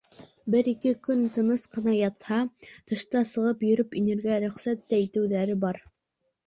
Бер-ике көн тыныс ҡына ятһа, тышҡа сығып йөрөп инергә рөхсәт тә итеүҙәре бар...